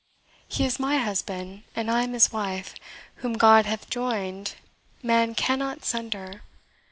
He is my husband I am his wife whom God hath joined, man cannot sunder.